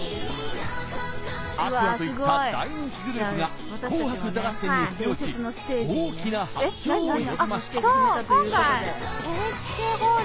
Ａｑｏｕｒｓといった大人気グループが「紅白歌合戦」に出場し大きな反響を呼びました。